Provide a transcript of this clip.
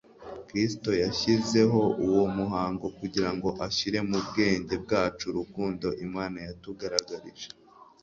Kristo yashyizeho uwo muhango kugira ngo ashyire mu bwenge bwacu urukundo Imana yatugaragarije.